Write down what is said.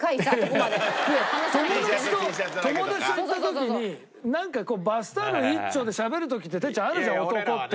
友達と友達と行った時になんかこうバスタオル一丁でしゃべる時って哲ちゃんあるじゃん男って。